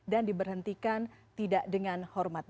diberhentikan tidak dengan hormat